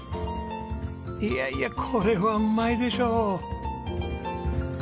いやいやこれはうまいでしょう。